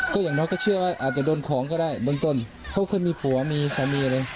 ก็อย่างนอกก็เชื่อว่าอาจจะโดนของก็ได้บนต้นเขาคือมีผัวมีสามีเลย